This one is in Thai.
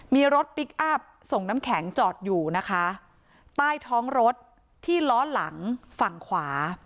มีรถพลิกอัพส่งน้ำแข็งจอดอยู่นะคะใต้ท้องรถที่ล้อหลังฝั่งขวา